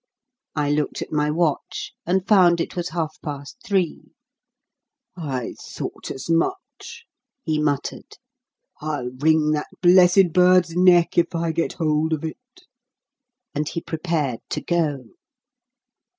I looked at my watch, and found it was half past three. "I thought as much," he muttered. "I'll wring that blessed bird's neck if I get hold of it." And he prepared to go.